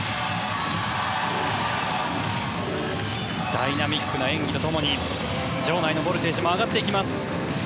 ダイナミックな演技と共に場内のボルテージも上がります。